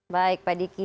baik pak diki